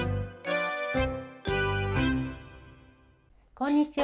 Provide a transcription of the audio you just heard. こんにちは。